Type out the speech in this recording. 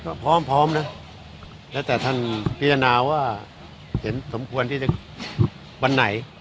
ก็พร้อมพร้อมนะแล้วแต่ท่านพิจารณาว่าเห็นสมควรที่จะวันไหน